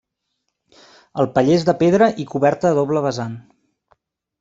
El paller és de pedra i coberta a doble vessant.